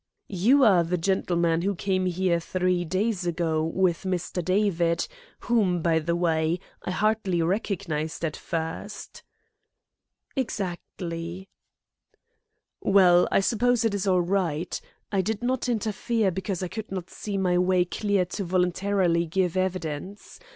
"You are the gentleman who came here three days ago with Mr. David, whom, by the way, I hardly recognised at first?" "Exactly." "Well, I suppose it is all right. I did not interfere because I could not see my way clear to voluntarily give evidence.